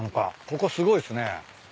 ここすごいっすね。